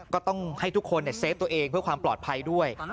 ก็ต้องให้ทุกคนเซฟตัวเองเพื่อความปลอดภัยด้วย